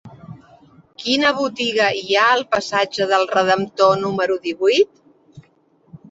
Quina botiga hi ha al passatge del Redemptor número divuit?